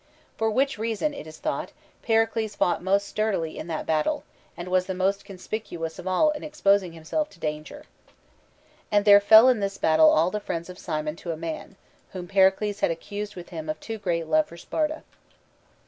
For which reason, it is thought, Pericles fought most sturdily in that battle, and was the most conspicuous of all in exposing himself to danger. And there fell in this battle all the friends of Cimon to a man, whom Pericles had accused with him of too great love for Sparta.